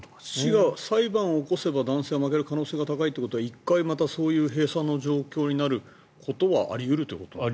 市が裁判を起こせば男性は負ける可能性が高いということは１回、またそういう閉鎖の状況になることはあり得るということですかね。